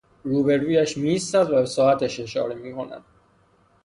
روبرویش می ایستد و به ساعتش اشاره می کند